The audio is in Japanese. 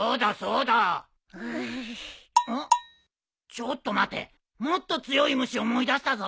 ちょっと待てもっと強い虫思い出したぞ。